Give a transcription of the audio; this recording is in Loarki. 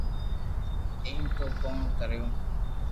ايم ٿي ڪون ڪريو